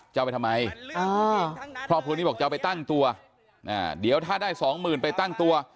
จะเอาไปทำไมครอบครัวนี้บอกจะเอาไปตั้งตัวเดี๋ยวถ้าได้สองหมื่นไปตั้งตัว